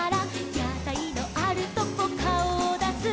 「やたいのあるとこかおをだす」